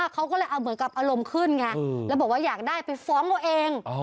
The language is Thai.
เขาก็เลยเอาเหมือนกับอารมณ์ขึ้นไงแล้วบอกว่าอยากได้ไปฟ้องเอาเอง